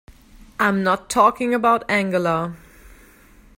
I'm not talking about Angela.